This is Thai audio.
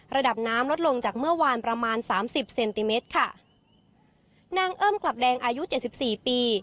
ระดับน้ำลดลงจากเมื่อวานประมาณสามสิบเซนติเมตรค่ะนางเอิ้มกลับแดงอายุเจ็ดสิบสี่ปี